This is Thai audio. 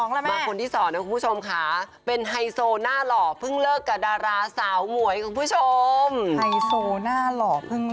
แล้วก็ต้องไว้ปิดหน้านิดหนึ่ง